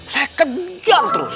saya kejar terus